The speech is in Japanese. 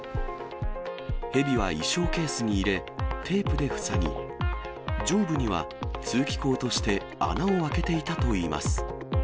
ヘビは衣装ケースに入れ、テープで塞ぎ、上部には、通気口として穴を開けていたといいます。